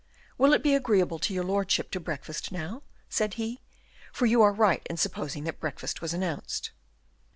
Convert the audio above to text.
"Will it be agreeable to your lordship to breakfast now?" said he; "for you are right in supposing that breakfast was announced."